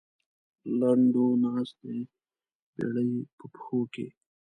لنډو ناست دی بېړۍ په پښو کې.